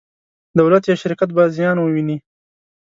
دولت یا شرکت به زیان وویني.